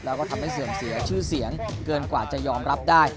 แล้วก็ทำให้เสื่อมเสียชื่อเสียงเกินกว่าจะยอมรับได้